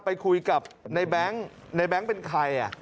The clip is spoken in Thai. ไปคุยกับในแบงค์ในแบงค์เป็นใคร